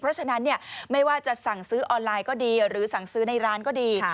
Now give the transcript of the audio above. เพราะฉะนั้นไม่ว่าจะสั่งซื้อออนไลน์ก็ดีหรือสั่งซื้อในร้านก็ดี